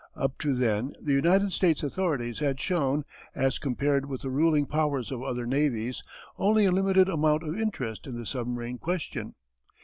Up to then the United States authorities had shown, as compared with the ruling powers of other navies, only a limited amount of interest in the submarine question.